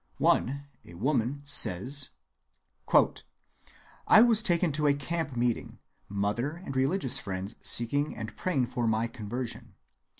One, a woman, says:— "I was taken to a camp‐meeting, mother and religious friends seeking and praying for my conversion.